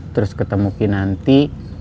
terus ketemu kinanti